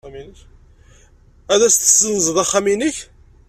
Ad as-tessenzed axxam-nnek?